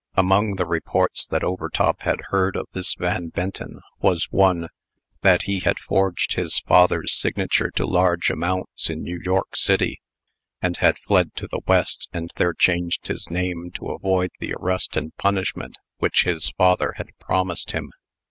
Among the reports that Overtop had heard of this Van Benton, was one, that he had forged his father's signature to large amounts in New York city, and had fled to the West, and there changed his name to avoid the arrest and punishment which his father had promised him.